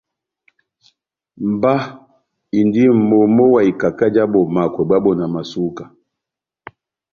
Mba indi momo wa ikaka já bomakwɛ bwá bonamasuka.